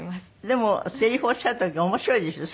でもせりふをおっしゃる時面白いでしょ？